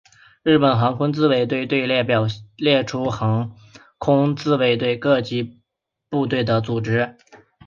日本航空自卫队队列表列出航空自卫队各级部队的组织。